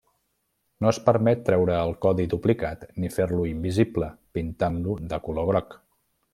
No es permet treure el codi duplicat ni fer-lo invisible pintant-lo de color groc.